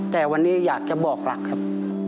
แต่วันนี้อยากจะบอกรักครับ